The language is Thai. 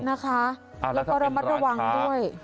นะคะแล้วประมาทระวังด้วย